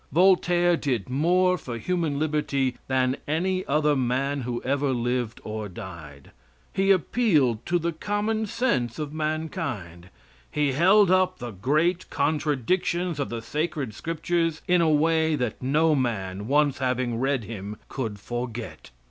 Voltaire did more for human liberty than any other man who ever lived or died. He appealed to the common sense of mankind he held up the great contradictions of the sacred scriptures in a way that no man, once having read him, could forget.